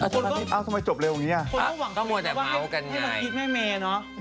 ทำไมจบเร็วอย่างนี้